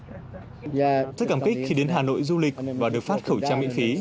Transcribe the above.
rất cảm kích khi đến hà nội du lịch và được phát khẩu trang miễn phí